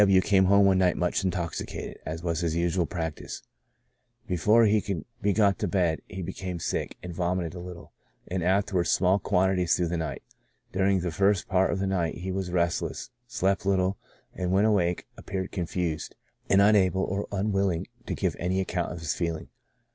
W. came home one night much intoxicated, as was his usual practice. Before he *"Edinb. Med. and Surg. Journal." 1833. l6 ON THE ACTION OF could be got to bed he became sick, and vomited a little, and afterwards small quantities through the night. During the first part of the night he was restless, slept little, and when awake appeared confused, and unable or unwilling to give any account of his feelings.